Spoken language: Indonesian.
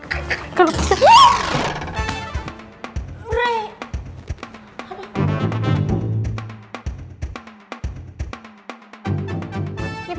aku menolong tamu